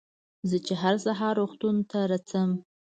زه چې هر سهار روغتون ته رڅم.